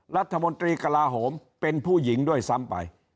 รัฐมนตรีกระลาโหมเป็นผู้หญิงด้วยซ้ำไป